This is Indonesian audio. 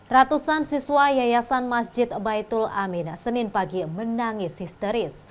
ratusan siswa yayasan masjid baitul aminah senin pagi menangis histeris